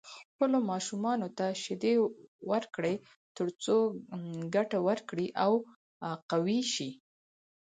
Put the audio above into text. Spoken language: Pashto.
خپلو ماشومانو ته شيدې ورکړئ تر څو ګټه ورکړي او قوي شي.